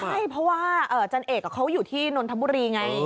ใช่เพราะว่าอาจารย์เอกเขาอยู่ที่นนทบุรีไง